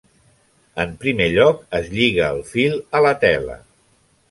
En primer lloc, es lliga el fil a la tela.